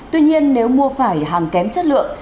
tuy nhiên nếu mua phải hàng kém chất lượng